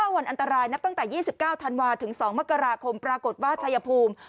วันอันตรายนับตั้งแต่๒๙ธันวาถึง๒มกราคมปรากฏว่าชายภูมิ